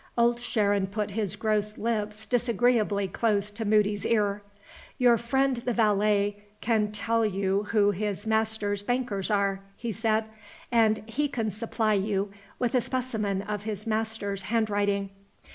Old Sharon put his gross lips disagreeably close to Moody's ear. "Your friend the valet can tell you who his master's bankers are," he said; "and he can supply you with a specimen of his master's handwriting."